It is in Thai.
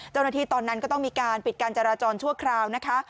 เจ้าหน้าที่ตอนนั้นก็ต้องมีการปิดการจราจรชั่วคราวนะคะ